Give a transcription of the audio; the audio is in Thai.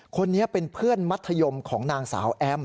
คนนี้เป็นเพื่อนมัธยมของนางสาวแอม